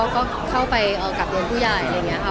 ก็เข้าไปกับโยนผู้ใหญ่